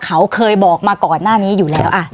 เขาเคยบอกมาก่อนหน้านี้อยู่แล้ว